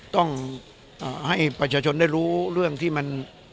ต้องให้ประชาชนได้รู้เรื่องที่มัน